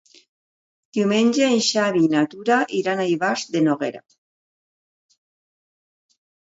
Diumenge en Xavi i na Tura iran a Ivars de Noguera.